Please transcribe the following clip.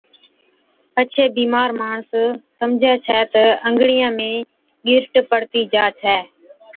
پڇي بِيمار ماڻس سمجھَي ڇَي تہ انگڙِيان ۾ ڳِرٽ پڙتِي گيلي هِتي۔